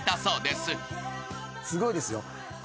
すごいですよ。